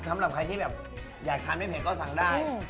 สำหรับใครที่แบบอยากทานไม่เผ็ดก็สั่งได้